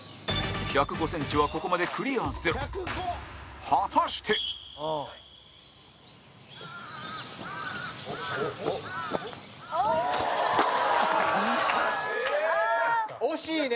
１０５ｃｍはここまでクリアゼロ果たして蛍原：惜しいね！